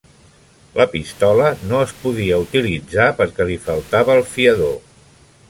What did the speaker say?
La pistola no es podia utilitzar perquè li faltava el fiador.